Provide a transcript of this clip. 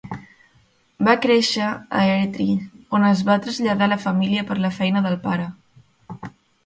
Va créixer a Airdrie, on es va traslladar la família per la feina del pare.